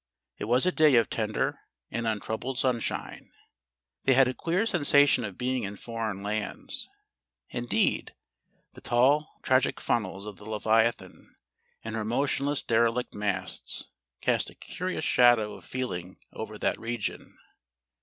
It was a day of tender and untroubled sunshine. They had a queer sensation of being in foreign lands. Indeed, the tall tragic funnels of the Leviathan and her motionless derelict masts cast a curious shadow of feeling over that region.